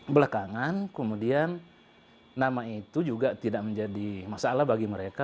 belakangan kemudian nama itu juga tidak menjadi masalah bagi mereka